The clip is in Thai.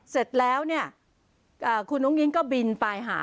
เสร็จแล้วเนี่ยคุณอุ้งอิ๊งก็บินไปหา